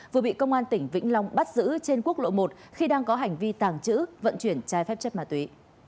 vừa bị công an tỉnh vĩnh long bắt giữ trên quốc lộ một khi đang có hành vi tàng trữ vận chuyển trái phép chất ma túy